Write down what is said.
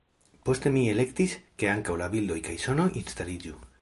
Poste mi elektis, ke ankaŭ la bildoj kaj sonoj instaliĝu.